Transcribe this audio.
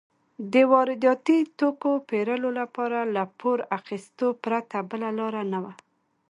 د وارداتي توکو پېرلو لپاره له پور اخیستو پرته بله لار نه وه.